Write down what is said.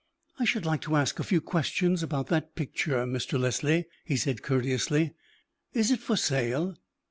"I should like to ask a few questions about that picture, Mr. Leslie," he said, courteously. "Is it for sale?"